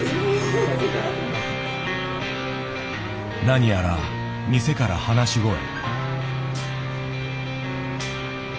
何やら店から話し声。